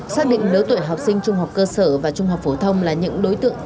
xác định lứa tuổi học sinh trung học cơ sở và trung học phổ thông là những đối tượng